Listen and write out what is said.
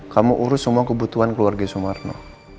kamu urus semua kebutuhan keluarga sumarno